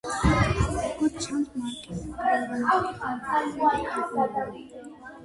როგორც ჩანს, მარკისა და იოანეს სახელების სია დაკარგულია.